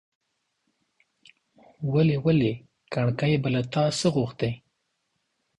ولي! ولي! کڼکۍ به له تا څه غوښتاى ،